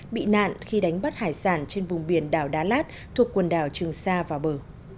bị nạn khi đánh bắt hải sản trên vùng biển đảo đá lát thuộc quần đảo trường sa vào bờ